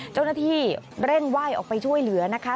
เจ้าหน้าที่เร่งไหว้ออกไปช่วยเหลือนะคะ